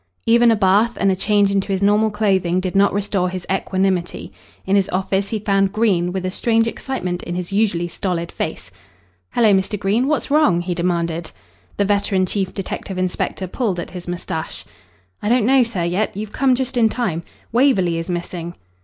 Even a bath and a change into his normal clothing did not restore his equanimity. In his office he found Green, with a strange excitement in his usually stolid face. "Hello, Mr. Green. What's wrong?" he demanded. The veteran chief detective inspector pulled at his moustache. "I don't know, sir, yet. You've come just in time. Waverley is missing.